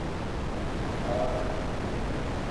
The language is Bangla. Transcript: খাওয়ার জন্য কিছু দে?